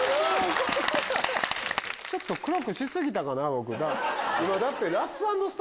ちょっと黒くし過ぎたかな僕。